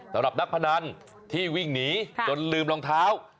สำหรับนักพนันที่วิ่งหนีจนลืมรองเท้า